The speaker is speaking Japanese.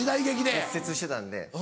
骨折してたんで。